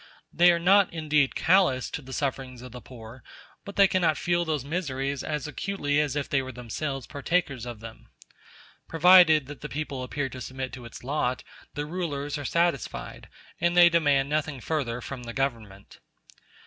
They are not indeed callous to the sufferings of the poor, but they cannot feel those miseries as acutely as if they were themselves partakers of them. Provided that the people appear to submit to its lot, the rulers are satisfied, and they demand nothing further from the Government.